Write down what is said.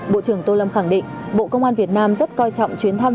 bộ trưởng tô lâm khẳng định bộ công an việt nam rất coi trọng chuyến thăm